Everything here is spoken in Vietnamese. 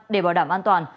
để bảo đảm an toàn